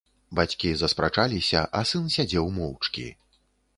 Бацькі заспрачаліся, а сын сядзеў моўчкі.